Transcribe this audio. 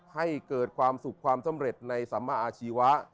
ให้เกิดความสุขความสำเร็จในสัมมาอาชีวะ